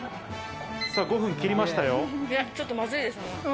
さぁ、５分切りましたよ。